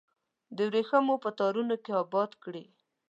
د وریښمو په تارونو کې اباد کړي